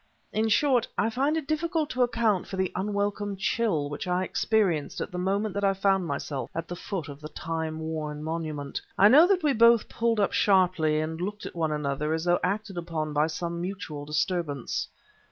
In short, I find it difficult to account for the unwelcome chill which I experienced at the moment that I found myself at the foot of the time worn monument. I know that we both pulled up sharply and looked at one another as though acted upon by some mutual disturbance.